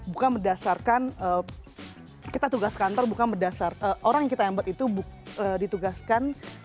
bukan berdasarkan kita tugas kantor bukan berdasarkan orang yang kita embet itu ditugaskan